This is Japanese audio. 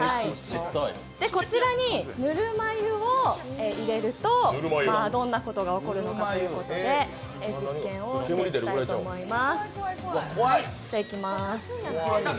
こちらにぬるま湯を入れるとどんなことが起こるのかということで実験をしていきたいと思います。